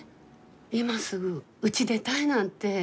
今すぐうち出たいなんて。